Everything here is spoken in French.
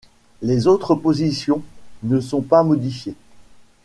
Les autres positions ne sont pas modifiées.